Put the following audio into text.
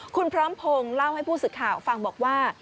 คุณพร้อมพงศ์เล่าให้ผู้สื่อข่าวฟังบอกว่า